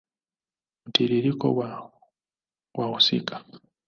Mtiririko wa wahusika